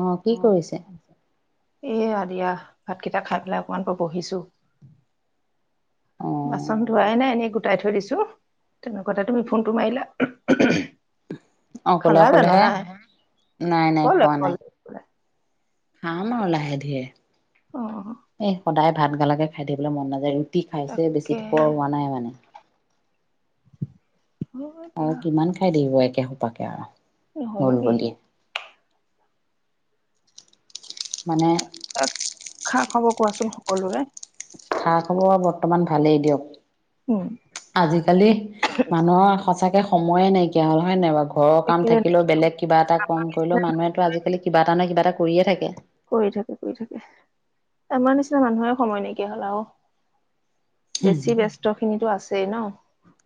অ, কি কৰিছে? এয়া দিয়া ভাতকেইটা খাই পেলাই অকমান ব বহিছো। অ বাচন ধোৱাই নাই, এনেই গোটাই থৈ দিছো। তেনে কথা তুমি ফোনটো মাৰিলা। অকলে খালা জানো অকলেহে নাই নাই নাই কলে খোৱা নাই কলে কলে। খাম আৰু লাহে ধীৰে অ এ সদায় ভাত গালাকে খাই থিবলৈ মন নাযায়। খাইছে তাকে বেছিত পোৱা হোৱা নাই মানে। হয় আৰু দিয়া কিমান খাই থাকিবা একে সোপাকে আৰু। নহয় হ'ল নকি? বুলি মানে। হ'ব কোৱাচোন সকলোৰে। খা, খবৰ আৰু বৰ্তমান ভালেই উম দিয়ক। আজিকালি মানুহৰ সচাকে সময়ে নাইকিয়া হল। হয় নাইব- ঘৰৰ কাম একেবাৰে থাকিলেও বেলেগ কিবা এটা কম কৰিলেও, মানুহেতো আজিকালি কিবা এটা নহয় কিবা এটা কৰিয়ে থাকে। কৰি থাকে কৰি থাকে। আমাৰ নিচিনা মানুহে সময় নাইকিয়া হল আৰু, বেছি ব্যস্ত খিনিতো আছেই। চ ন।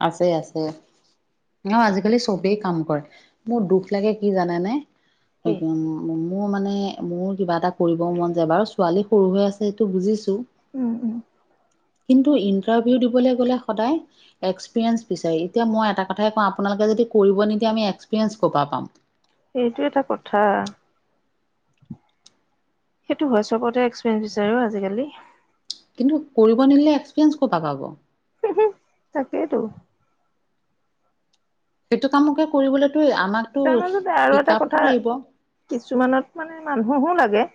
আছে আছে। ন আজিকালি চবেই। কাম কৰে। মোৰ দুখ লাগে কি জান নে কি - মোৰ মানে, মোৰ কিবা এটা কৰিব মন যায় বাৰু, ছোৱালী সৰু হৈ আছে সেইটো বুজিছো। উম উম কিন্তু, ইন্টাৰভিউ দিবলৈ গ'লে সদায়। এক্সপিৰিয়েঞ্চ বিচাৰি। এতিয়া মই এটা কথাই কওঁ আপোনালোকে যদি কৰিব নিদিয়ে আমি এক্সপিৰিয়েঞ্চ ক'ৰপা পাম। সেইটোৱেতো কথা। সেইটো হয়, চবতে এক্সপেডিচাৰে ন আজিকালি? কিন্তু কৰিব নিদিলে এক্সপিৰিয়েঞ্চ ক'ৰ পৰা পাবা? তাকেইটো। সেইটো কামকে কৰিবলৈ। তাৰ মাজতে আৰু এটা কথা, লাগিব কিছুমানত মানে মানুহো লাগে।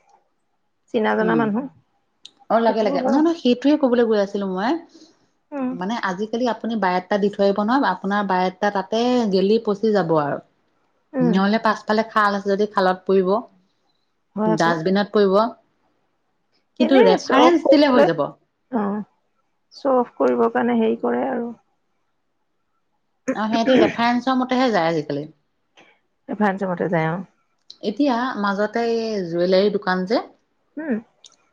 চনা জনা উম মানুহ। অ লাগে সেইটোও লাগে। হয় নহয় নহয় সেইটোয়ে কবলৈ গৈ আছিলো মই উম মানে আজিকালি আ- আপুনি বাৰটা দি থৈ [unintelligible] নহ আপোনাৰ বাৰেটা তাতে গেলি পচি যাব আৰু। উম নহলে পাছফালে খাল আছে যদি খালত পৰিব, হয় আকৌ ডাষ্টবিনত পৰিব। কিন্তু এনে চ অ ৰেফাৰেঞ্চ দিলে হৈ যাব আৰু [unintelligible] চ অফ কৰিবৰ কাৰণে হে কৰে আৰু। আৰু সিহঁতি ৰেফাৰেঞ্চৰ মতেহে যায় আজিকালি। ভচ ম যায় [unintelligible] এতিয়া মাজতে জুৱেলাৰী দোকান যে, কি?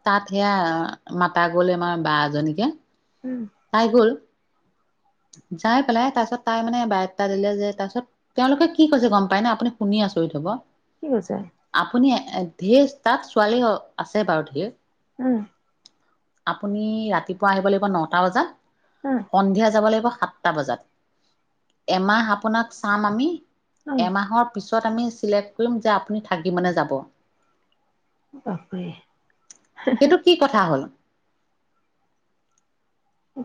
তাত সেয়া মাতা গল আমাৰ বা এজনীকে, উম তাই গ'ল? যাই পেলাই তাৰপিছত তাই মানে বায় দাতা দিলে যে, তাৰ পিছত তেওঁলোকে কি কৈছে গম পাই না আপুনি শুনি আছো। কৰি থব। কি কৈছে? এ ধেৰ তাত ছোৱালী আছে বাৰু ধেৰ। উম। আপুনি ৰাতিপুৱা আহিব লাগিব নটা বজাত, উম সন্ধিয়া যাব লাগিব সাততা বজাত। এমাহ আপোনাক চাম আমি, উম এমাহৰ পি তত আমি চিলেক্ট কৰিম যে আপুনি থাকিব নে যাব? বাপৰে সেইটো কি কথা হ'ল?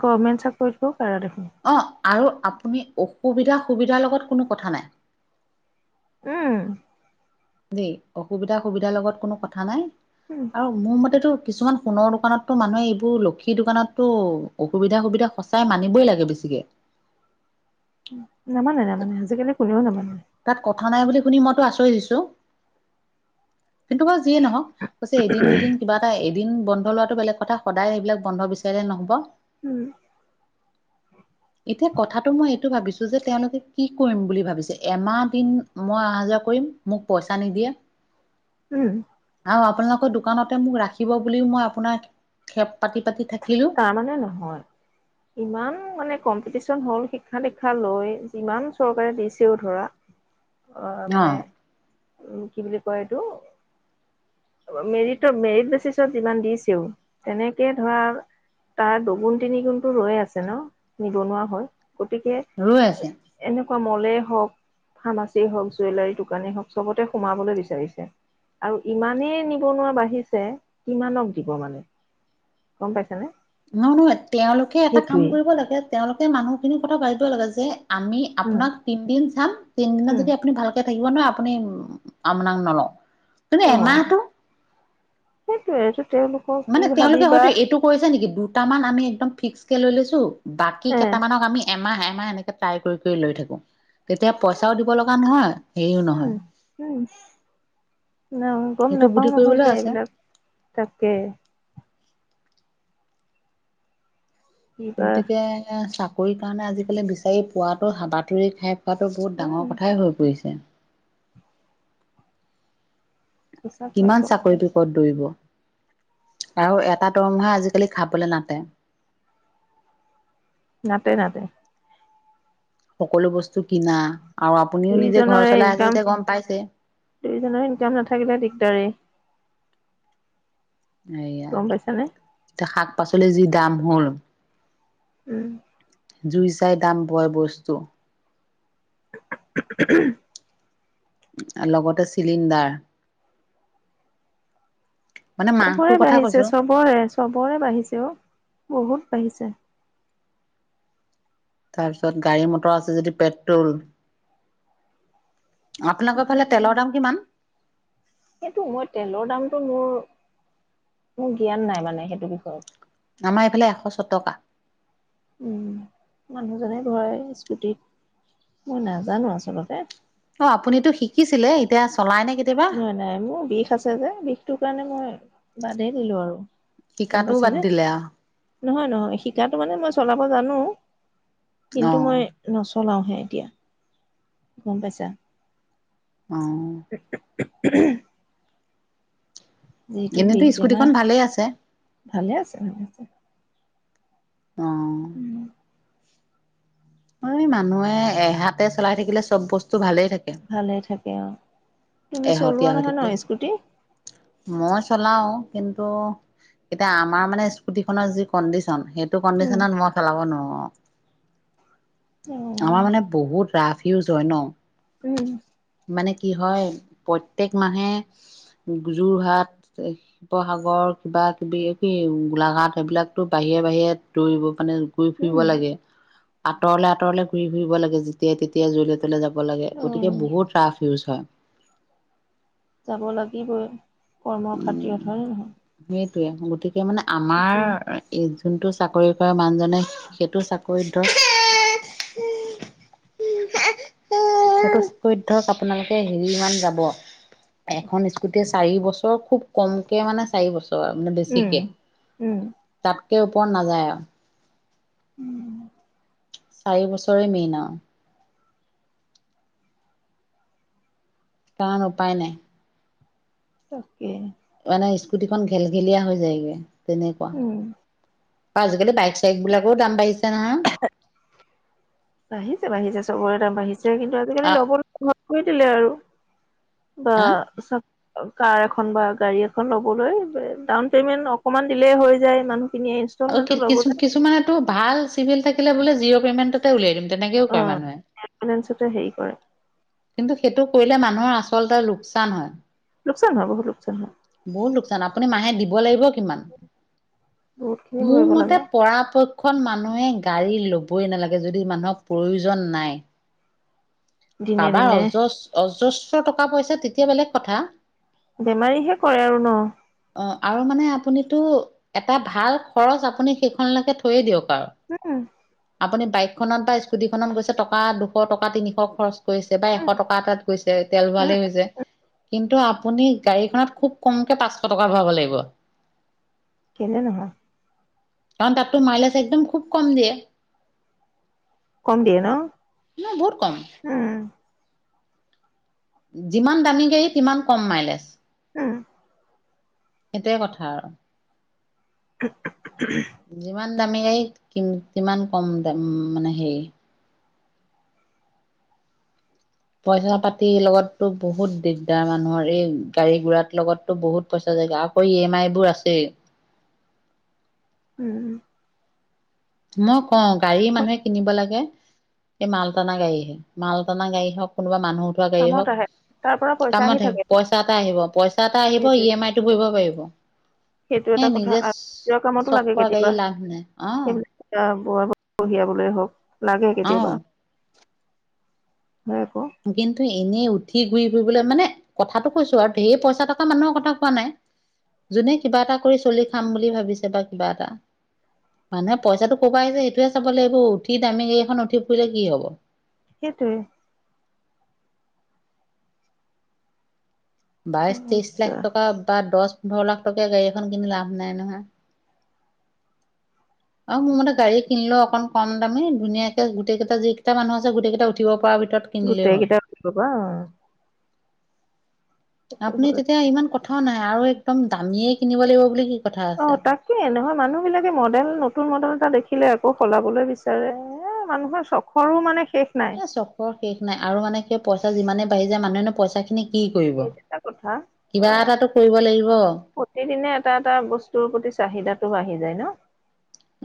গভমেণ্ট চাকৰিটোৰ কাৰণে। অ আৰু আপুনি অসুবিধা সুবিধাৰ লগত কোনো কথা নাই। উম। দেই অসুবিধা সুবিধাৰ লগত কোনো কথা নাই। উম আৰু মোৰ মতেতো কিছুমান সোণৰ দোকানতো মানুহে এইবোৰ লক্ষী দোকানতো অসুবিধা সুবিধা সচাই মানিবই লাগে বেছি জিকে। নামানে নামানে আজিকালি কোনেও নামানে তাত কথা নাই বুলি শুনি মইতো আচৰিত হৈছোঁ। কিন্তু বাৰু যিয়ে নহওক কৈছে এদিন দুদিন কিবা এটা এদিন বন্ধ লোৱাটো বেলেগ কথা, সদায় সেইবিলাক বন্ধ বিচাৰিলে নহব। উম। এতিয়া কথাটো মই এইটো ভাবিছো যে, তেওঁলোকে কি কৰিম বুলি ভাবিছে? এমাহ দিন মই অহা যোৱা কৰিম মোক পইচা নিদিয়ে। উম। আৰু আপোনালোকৰ দোকানতে মোক ৰাখিব বুলিও মই আপোনাৰ খেপ পাতি পাতি থাক তাৰমানে নহয় ইমান মানে কম্পিটি হল শিক্ষা দীক্ষা লৈ যিমান চৰকাৰে দিছেও ধৰা অহ অ মানে, উম কি বুলি কয় এইটো মেৰিটত মেৰিট বেচিছত যিমান দিছেও, তেনেকে ধৰ তাৰ দুগুণ তিনি গুণটো ৰৈ আছে ন নিবনুৱা হৈ। গতিকে, ৰৈ আছে এনেকুৱা মলেই হওক ফাৰ্মাচী হওক, জুৱেলাৰী দোকানেই হওক চবতে সোমাবলৈ বিচাৰিছে। আৰু ইমানেই নিবনুৱা বাঢ়িছে, কিমানক দিব মানে গম পাইছেনে? নহ নহয় তেওঁলোকে এটা কাম কৰিব লাগে। তেওঁলোকে মানুহ খিনিৰ কথা ভাবিব লাগে যে আমি উম আপোনাক তিনদিন চাম, তিনদিনা উম যদি আপুনি ভালকে থাকিব ন আপুনি আমনাক নলওঁ, তুমি অ এমাহটো সেইটোৱে এইটো তেওঁলোকক কি মানে তেওঁলোকে ভাবিবা হয়তো এইটো কৰিছে নেকি দুই দুটামান আমি একদম ফিক্স কে লৈ লৈছো, বাকী এ কেইটামানক আমি এমাহ এমাহ এনেকে ট্ৰাই কৰি কৰি লৈ থাকো তেতিয়া পইচাও দিব লগা নহয় হেৰিও উম নহয় উম। নাই গম সেইটো নাপাও বুদ্ধি নহয় কৰিবলৈ কিয় আছে এইবিলাক তাকে। কিবা গতিকে চাকৰি কাৰণে আজিকালি বিচাৰি পোৱাতো হাবাথুৰি খাই কোৱাতো বহুত ডাঙৰ উম, কথাই হৈ পৰিছে। সঁচাকৈ কিমান আকৌ চাকৰিটো কত দৌৰিব। আৰু এটা দৰমহা আজিকালি খাবলৈ নাটে। নাটে নাটে। সকলো বস্তু কিনা আৰু আপুনিও নিজে ঘৰ দুইজনৰে চলাই আছে ইনকাম যেতিয়া গম পাইছে। দুইজনৰ ইনকাম নাথাকিলে দিগদাৰে। এইয়া, গম পাইছানে এতিয়া শাক পাচলিৰ যি দাম হ'ল উম। জুই চাই দাম পয় বস্তু। [unintelligible] লগতে চিলিণ্ডাৰ। মানে চবৰে মাহটোৰ কথা বাঢ়িছে, কৈছো চবৰে চবৰে বাঢ়িছে অ বহুত বাঢ়িছে। তাৰ পিছত গাড়ী মটৰ আছে যদি পেট্ৰল। আপোনালোকৰ ফালে তেলৰ দাম কিমান। সেইটো মই তেলৰ দামতটো মোৰ মোৰ জ্ঞান নাই মানে সেইটো বিষয়ত। আমাৰ এইফালে এশ ছ টকা। উম মানুহজনে ভয় স্কুটিত মই নাজানো আচলতে। অ আপুনিতো শিকিছিলে এতিয়া। চলাই নে কেতিয়াবা নাই নাই মোৰ বিষ আছে যে বিষটো কাৰণে মই বাদেই দিলো আৰু। গম শিকাতটোও বাদ পাইছানে দিলে আও। নহয় নহয় শিকা মানে মই চলাব জানো অ কিন্তু মই ন। চলাওঁহে এতিয়া গম পাইছা। অহ। উ [unintelligible] যিহেতটো এনেতো বিষ স্কুটিখন বেমাৰ ভালেই আছে ভালে আছে ভালে আছে। অ উম। অ মানুহে এহাতে চলাই থাকিলে চব বস্তু ভালেই। ভালে থাকে অ। তুমি এহতি চলোৱা হৈ নহয় ন থাকিলে স্কুটি মই। চলাই আমাৰ ইস্কুটি খন যি কনডিচন। সেইটো উম কণ্ডিশনত মই খেলাব নোৱাৰো। অ আমাৰ মানে বহুত ৰাফ ইউজ হয় ন। উম মানে কি হয়। প্ৰতেক মানহে যোৰহাট, শিৱসাগৰ কিবা কিবি গোলাঘাট সেইবিলাকো বাহিৰে বাহিৰে দৌৰিব মানে ঘূৰি ফুৰিব উম লাগে, আঁতৰলে আঁতৰলে ঘূৰি ফুৰিব লাগে যেতিয়াই তেতিয়াই জল যাব লাগে, অ গতিকে বহুত ৰাফ ইউজ হয়। যাব লাগিবই, কৰ্মৰ খাতিৰত হয়নে নহয়? সেইটোৱে গতিকে মানে আমাৰ যোনটো চাকৰি কৰে মানুহজনে সেইটো চাকৰি। ত সেইতো ধক আপোনালোকে হেৰিমান যাব এখন স্কুটি চাৰি বচ বৰ খুব কমকে মানে চাৰি বছৰ মানে উম বেছিকে তাত উম তাত কে ওপৰত নাযায় আৰু উম চাৰি বছৰে মেইন আও। কাৰণ উপায় নাই। তাকে। মানে স্কুটিখন ঘেলঘেলীয়া হৈ যায়গৈ তেনেকুৱা। উম আজিকালি বাইক চাইক বিলাকৰ দাম বাঢ়িছে নহয়। বাঢ়িছে বাঢ়িছে চবৰে দাম বাঢ়িছে কিন্তু আজিকালি আহ লগৰ লগ কৰি দিলে আৰু বা, চা কাৰ এখন বা গাড়ী এখন লবলৈ ডাউন পেমেন্ট অকমান দিলেই হৈ যায় মানুহ আৰু কিছুমানেতটো ভাল চিভিল থাকিলে বোলে জিৰ' পেমেণ্ট উলিয়াই দিম তেনেকেও অ কৰে মানুহে। ফাইনেন্সতে হেৰি কৰে। কিন্তু সেইটো কৰিলে মানুহৰ আচলতে লোকচান হয়। লোকচান হয় বহুত লোকচান হয় বহুত লোকচান আপুনি মাহে দিব লাগিব কিমান, বহুত খিনি মোৰ ভৰিব মতে লাগে পৰাপক্ষ খন মানুহে গাড়ী লবই নালাগে যদি মানুহক প্ৰয়োজন নাই। দিনে কাৰবাৰ দিনে অজস অজস্ৰ টকা পইচা তেতিয়া বেলেগ কথা। বেমাৰীহে কৰে আৰু ন? অ আৰু মানে আপুনিতো এটা ভাল খৰচ আপুনি সেইখনলৈকে থৈয়ে দিয়ক। আৰু। হম। আপুনি বাইকখনত বা স্কুটি খত গৈছে টকা দুশ টকা তিনিশ খৰচ বা এশ টকা এ তাত গৈছে তেল ভালে উম নিজে কিন্তু আপ আপুনি গাড়ীখনত খুব কমকে পাঁচশ টকা ভৰাব লাগিব। কেলে নহৈ? কাৰণ তাততো মাইলেজ একদম খুব কম দিয়ে। কম দিয়ে ন? ন বহুত কম। উম যিমান দামী গ়ী সিমান কম মাইলেজ। উম। সেইটোৱ কথা আৰু। [unintelligible] যিমান দামী গাড়ী সিমান কম দাম মানে হেৰি পইচা পাতিৰ লগতো বহুত দিগদাৰ মানুহৰ এই, গাড়ী গুৰাাত লগতো বহুত প্ৰচেছ জা আকৌ ই এম আই বোৰ আছেই উম উ মই কওঁ গাড়ী মানুহে কিনিব লাগে হেই মালটানা গাড়ীহে মালটানা গাড়ী হওক কোনোবা মানুহ উঠোৱা গাড়ী কামত হওক আহে তাৰ পৰা পইচা আহি কামতহে থাকে পইচা এটা আহিব পইচা এটা আহিব ই সেইটোৱে এম আই টো ভৰিব পাৰিব। সেইটো এ এটা কথা, নিজে আত নিজৰ কামতো চখ লাগে কৰা গাড়ী কেতিয়াবা, লাভ নাই অ সেইবিলা আহ ব কঢ়িয়াবলৈ হওক লাগে অ কেতিয়াবা। হয় আকৌ কিন্তু এনেই উঠি ঘুই ফুৰিবলৈ মানে কথাটো কৈছো আৰু ধেইৰ পইচা টকা মানুহৰ কথা কোৱা নাই যোনে কিবা এটা কৰি চলি খাম বুলি ভাবিছে বা কিবা এটা মানুহে পইচাটো ক'ৰব আহিছে সেইটোৱে চাব লাগিব উঠি দামী গাড়ীখন উঠি ফুৰিলে কি হব সেইটোৱে বাইশ ত্ৰিশ সমস্যা লাখ টকা বা দহ পোন্ধৰ লাখ টকীয়া গাড়ী এখন কিনি লাভ নাই নহয় আৰু মোৰ মতে গাড়ী কিনিলোও অকন কম দামে ধুনীয়াকে গোটেই কেইটা যিকেইটা মানুহ আছে গোটেই কেইটা উঠিব পৰা ভিতৰত কিনিলেই গোটেই হ'ল কেইটা উঠিব পৰা আপুনি তেতিয়া ইমান কথাও নাই আৰু একদম দামীয়ে কিনিব লাগিব বুলি কি কথা অ আছে তাকে নহয় মানুহ বিলাকে মডেল নতুন মডেল এটা দেখি দেখিলে আকৌ সলাবলৈ বিচাৰে মানুহৰ চখৰো মানে শেষ নাই এ চখৰ শেষ নাই আৰু মানে সেই পইচা যিমানেই বাঢ়ি যায় মানুহে পইচা খিনি কি কৰিব সেইটো এটা কথা অ কিবা এটাটো কৰিব লাগিব প্ৰতিদিনে এটা এটা বস্তুৰ প্ৰতি চাহিদাটো বাঢ়ি যায় ন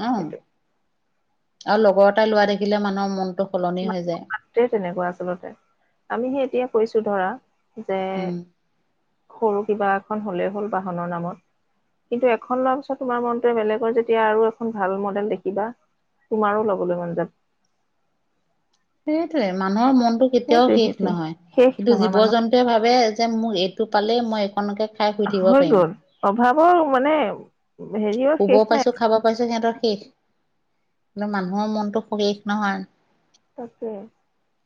অ সেইটো আৰু লগৰ এটাই লোৱা দেখিলে মানুহৰ মনটো সলনি হৈ যায় মাতে তেনেকুৱা আচলতে আমিহে এতিয়া কৈছো ধৰা যে উম সৰু কিবা এখন হলেই হ'ল বাহনৰ নামত কিন্তু এখন লোৱা পিছত তোমাৰ মনটোৱে বেলেগৰ যেতিয়া আৰু এখন ভাল মডেল দেখিবা তোমাৰো ল'বলৈ মন যাব সেইটোয়ে মানুহৰ মনটো কেতিয়াও সেইটোৱে শেষ সেইটোৱে নহয় শেষ কিন্তু নহয় জীৱ মানুহ জন্তুৱে ভাবে যে মোৰ এইটো পালেই মই একণকে খাই শুই থাকিব হৈ পাৰিম গ'ল অভাৱৰ মানে হেৰিয়ৰ শুবও শেষ নাই পাইছো খাব পাইছো সিহঁতৰ শেষ কিন্তু মানুহৰ মনতো সুখী নহয় তাকে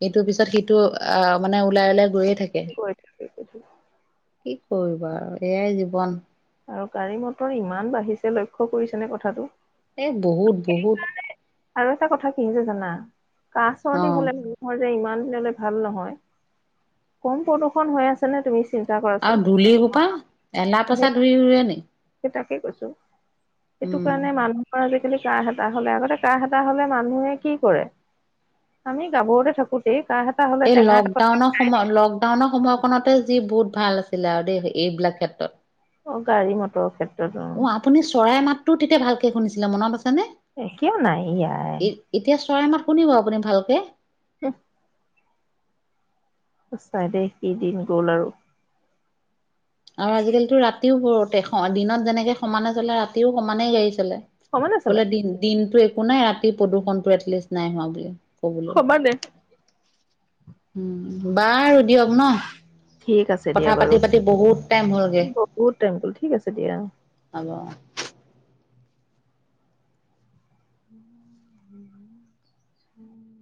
এইটোৰ পিছত সিটো আহ মানে ওলাই ওলাই গৈয়ে থাকে সেই ক কি কৰিবা আৰু এয়াই জীৱন আৰু গাড়ী মটৰ ইমান বাঢ়িছে লক্ষ্য কৰিছে নে কথাটো এ বহুত বহুত আৰু এটা কথা কি হৈছে জানা কা চৰ্দি হলে অ'। ম যে ইমান দিনলে ভাল নহয় কম প্ৰদূষণ হৈ আছে নে তুমি চিন্তা কৰাচোন আৰু ধূলি সোপা এলা পচা সেই ধূলি উৰে নি সেই তাকে কৈছো সেইটো উম। কাৰণে মানুহৰ আজিকালি কা হেতাহ হলে আগতে কাহ এটা হলে মানুহে কি কৰে আমি গাভৰতে থাকোতে এই লকডাউনৰ সময় লকডাউনৰ সময়কতে যি বু ভাল আছিলে আৰু দেই এইবিলাক ক্ষেত্ৰত অ গাড়ী মটৰ ক্ষেত্ৰত অ আপুনি চৰাই মাততো তেতিয়া ভালকে শুনিছিলে মন আছে এ কিয় নাই ইয়াই এতিয়া চৰাইমাত শুনিব আপুনি ভালকে উ সঁচাই দেই সেইদিন গ'ল আৰু আৰু আজিকালিতো ৰাতিও পৰোতে দিনত যেনেকৈ সমানে চলে ৰাতিও সমানেই গাড়ী চলে সমানে চলে বোলে দিন দিনটো একো নাই ৰাতি প্ৰদূৰ্ষণটো এটলিষ্ট নাই হোৱা বুলি সমানেই উ বাৰু দিয়ক ন ঠিক আছে দিয়া কথা বাৰু পাতি পাতি বহুত টাইম হ'লগে বহুত টাইম গ'ল ঠিক আছে দিয়া হব